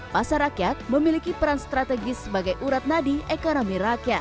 pasar rakyat memiliki peran strategis sebagai urat nadi ekonomi rakyat